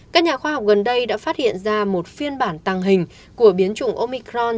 các nhà khoa học gần đây đã phát hiện ra một phiên bản tăng hình của biến chủng omicron